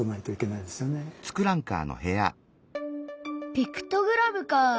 ピクトグラムか。